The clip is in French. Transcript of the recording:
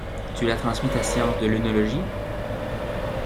Tu lui as transmis ta science de l’œnologie?